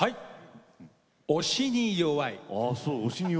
「押しに弱い」。